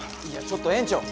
いやちょっと園長！